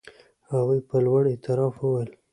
هغوی په لوړ اعتراف وویل.